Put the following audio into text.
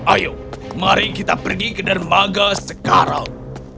ayo mari kita pergi ke dermaga sekarang